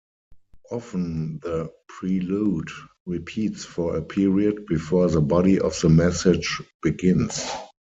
Often the prelude repeats for a period before the body of the message begins.